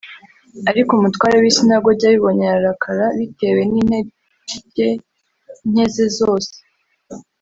Ariko umutware w isinagogi abibonye ararakara bitewen intege nke ze zose